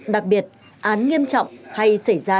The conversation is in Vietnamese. đặc biệt án nghiêm trọng hay xảy ra